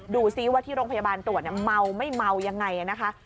ดูซิว่าที่โรงพยาบาลตรวจเมาไม่เมายังไงนะคะ